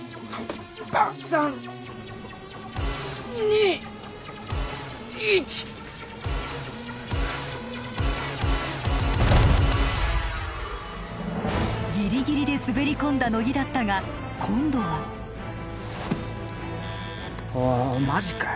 バカ３２１ふうギリギリで滑り込んだ乃木だったが今度はおいおいマジかよ